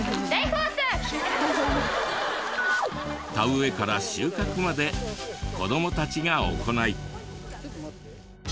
田植えから収穫まで子どもたちが行い。